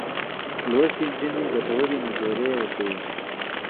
لوستې نجونې ګټورې مشورې ورکوي.